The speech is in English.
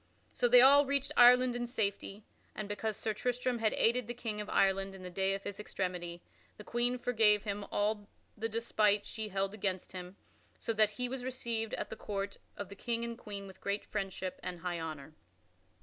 So they all reached Ireland in safety, and, because Sir Tristram had aided the King of Ireland in the day of his extremity, the Queen forgave him all the despite she held against him, so that he was received at the court of the King and Queen with great friendship and high honor.